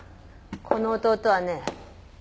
この弟はね